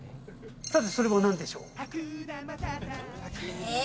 それは何でしょう？